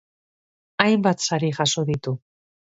Hainbat sari jaso ditu.